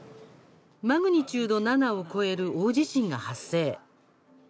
マグニチュード７を超える大地震が発生。